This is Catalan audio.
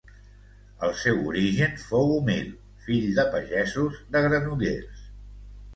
El seu origen fou humil, fill de pagesos de Granollers.